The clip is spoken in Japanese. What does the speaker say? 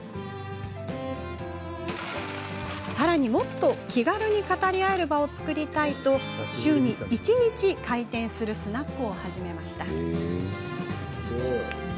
さらに、もっと気軽に語り合える場を作りたいと週に一日開店するスナックを始めました。